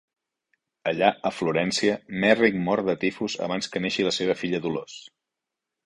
Allà, a Florència, Merrick mor de tifus abans que neixi la seva filla Dolors.